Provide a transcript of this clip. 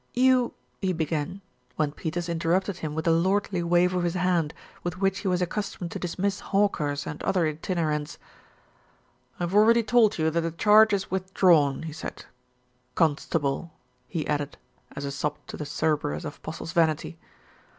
"You " he began, when Peters interrupted him with a lordly wave of his hand, with which he was accus tomed to dismiss hawkers and other itinerants. "I've already told you that the charge is withdrawn," he said, "constable," he added, as a sop to the Cerberus of Postle's vanity.